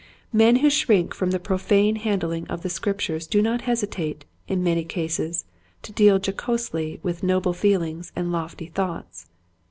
Men who shrink from the profane handling of the Scriptures do not hesitate, in many cases, to deal jocosely with noble feelings and lofty thoughts.